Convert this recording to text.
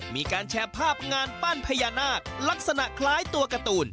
มีการแชร์ภาพงานปั้นพญานาคลักษณะคล้ายตัวการ์ตูน